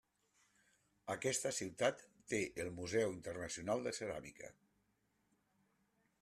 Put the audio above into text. Aquesta ciutat té el Museu internacional de ceràmica.